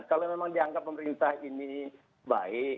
kalau memang dianggap pemerintah ini baik